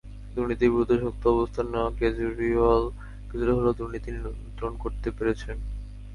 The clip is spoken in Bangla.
দুর্নীতি বিরুদ্ধে শক্ত অবস্থান নেওয়া কেজরিওয়াল কিছুটা হলেও দুর্নীতি নিয়ন্ত্রণ করতে পেরেছেন।